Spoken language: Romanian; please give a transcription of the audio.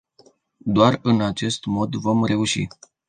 Doar în acest mod vom reuși.